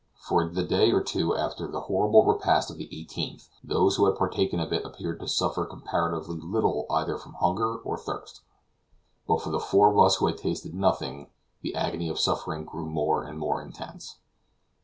For the day or two after the horrible repast of the 18th those who had partaken of it appeared to suffer comparatively little either from hunger or thirst; but for the four of us who had tasted nothing, the agony of suffering grew more and more intense.